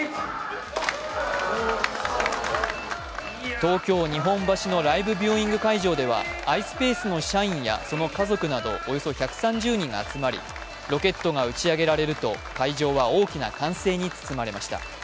東京・日本橋のライブビューイング会場ではｉｓｐａｃｅの社員やその家族などおよそ１３０人が集まりロケットが打ち上げられると会場は大きな歓声に包まれました。